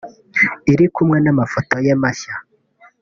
iri kumwe n’amafoto ye mashya